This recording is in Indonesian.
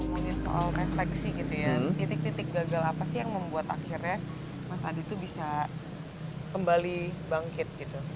bicara soal refleksi titik titik gagal apa sih yang membuat akhirnya mas ade bisa kembali bangkit